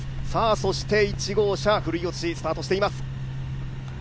そして１号車、ふるい落としがスタートしています。